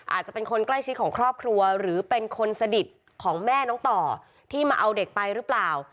อาจจะเป็นคนใกล้ชิดของครอบครัวหรือเป็นคนสนิทของแม่น้องต่อที่มาเอาเด็กไปหรือเปล่า